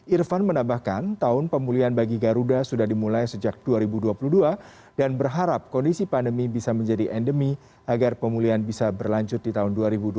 irfan menambahkan tahun pemulihan bagi garuda sudah dimulai sejak dua ribu dua puluh dua dan berharap kondisi pandemi bisa menjadi endemi agar pemulihan bisa berlanjut di tahun dua ribu dua puluh